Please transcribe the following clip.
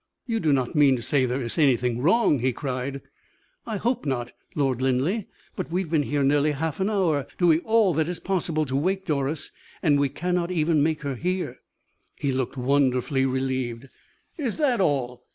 "You do not mean to say that there is anything wrong?" he cried. "I hope not, Lord Linleigh, but we have been here nearly half an hour, doing all that is possible to wake Doris, and we cannot even make her hear." He looked wonderfully relieved. "Is that all?